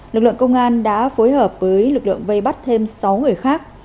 lực lượng công an đã phối hợp với lực lượng vây bắt thêm sáu người khác